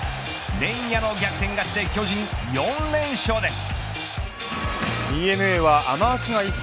連夜の逆転勝ちで巨人４連勝です。